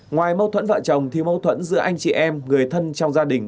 ngoài mâu thuẫn vợ chồng thì mâu thuẫn giữa anh chị em người thân trong gia đình